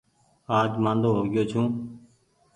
آج مآندو هوگيو ڇون ۔